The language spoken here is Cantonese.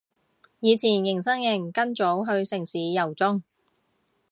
以前迎新營跟組去城市遊蹤